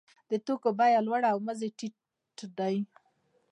د توکو بیه لوړه او مزد یې ټیټ دی